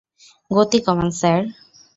গতি কমান, স্যার!